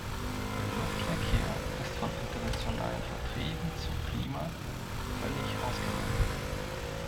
Der Luftverkehr ist von internationalen Verträgen zum Klima völlig ausgenommen.